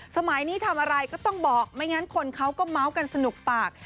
สมัยนี้ทำอะไรก็ต้องบอกไม่งั้นคนเขาก็เมาส์กันสนุกปาก